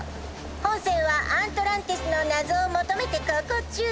ほんせんはアントランティスのなぞをもとめてこうこうちゅう。